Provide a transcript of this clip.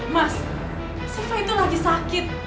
mas sifat itu lagi sakit